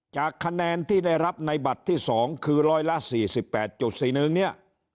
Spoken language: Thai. จากคะแนนที่ได้รับในบัตรที่๒คือร้อยละ๔๘๔๑เนี่ย